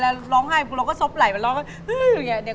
แล้วร้องให้เราก็ซบไหลว่าร้อง